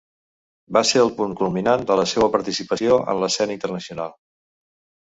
Va ser el punt culminant de la seua participació en l’escena internacional.